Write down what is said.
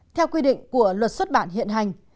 theo quy định của luật xuất bản hiện hành